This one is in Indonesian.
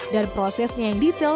dan prosesnya yang detail